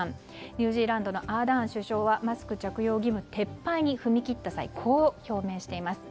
ニュージーランドのアーダーン首相はマスク着用義務の撤廃に踏み切った際こう表明しています。